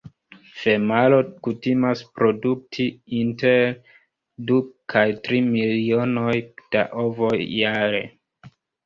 Femalo kutimas produkti inter du kaj tri milionojn da ovoj jare.